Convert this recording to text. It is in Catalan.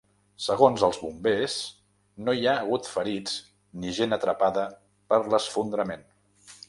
Segons els bombers no hi ha hagut ferits ni gent atrapada per l’esfondrament.